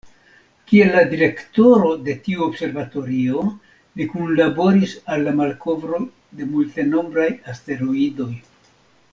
Kiel la direktoro de tiu observatorio, li kunlaboris al la malkovroj de multenombraj asteroidoj.